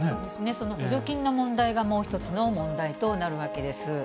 その補助金の問題がもう一つの問題となるわけです。